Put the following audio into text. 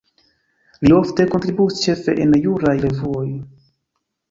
Li ofte kontribuis ĉefe en juraj revuoj.